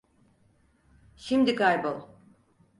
Şimdi kaybol.